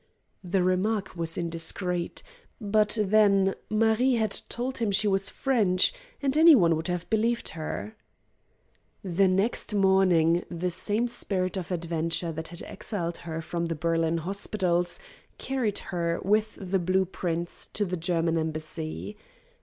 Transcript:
The remark was indiscreet, but then Marie had told him she was French, and any one would have believed her. The next morning the same spirit of adventure that had exiled her from the Berlin hospitals carried her with the blue prints to the German embassy.